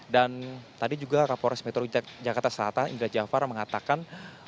dan tadi juga kapolres metro jakarta selatan indra jafar mengatakan